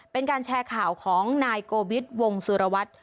เป็นการแชร์ข่าวของนายโกวิทย์วงสุรวัตร